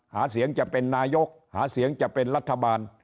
หาเสียงจะเป็นนายกหาเสียงจะเป็นรัฐบาล